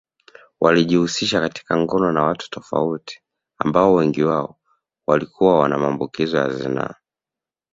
Walijihusisha katika ngono na watu tofauti ambao wengi wao walikuwa wana maambukizo ya zinaa